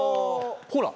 ほら。